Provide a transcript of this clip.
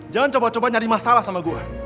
jangan coba coba nyari masalah sama gue